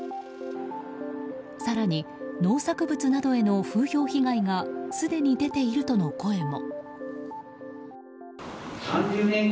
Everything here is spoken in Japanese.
更に、農作物などへの風評被害がすでに出ているとの声も。